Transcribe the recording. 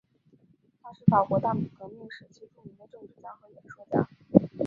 他是法国大革命时期著名的政治家和演说家。